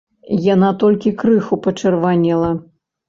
Яна толькі крыху пачырванела.